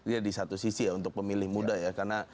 ya di satu sisi ya untuk pemilih muda ya karena